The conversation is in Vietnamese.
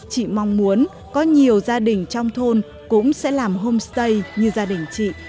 chị mong muốn có nhiều gia đình trong thôn cũng sẽ làm homestay như gia đình chị